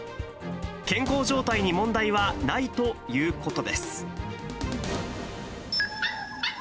健康状態に問題はないということです。